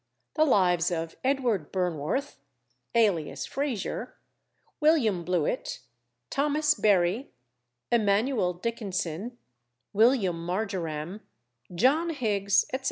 The lives of EDWARD BURNWORTH, alias FRAZIER, WILLIAM BLEWIT, THOMAS BERRY, EMANUEL DICKENSON, WILLIAM MARJORAM, JOHN HIGGS, etc.